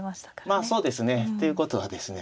まあそうですね。ということはですね